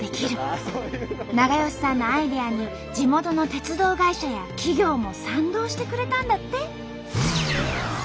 永芳さんのアイデアに地元の鉄道会社や企業も賛同してくれたんだって。